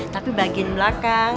tapi bagian belakang